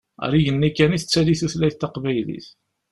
Ar igenni kan i tettali tutlayt taqbaylit.